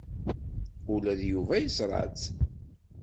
Ula d Yuba yeẓra-tt.